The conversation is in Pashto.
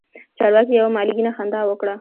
چارواکي یوه مالګینه خندا وکړه.